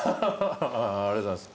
ありがとうございます。